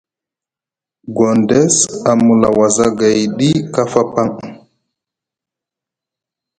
Gondess a mula wozagay ɗi kafa paŋ.